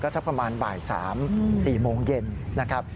สักประมาณบ่าย๓๔โมงเย็นนะครับ